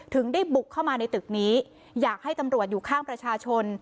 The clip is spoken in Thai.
ถึงได้บุกเข้ามาในตึกนี้อยากให้ตำรวจอยู่ข้างประชาชน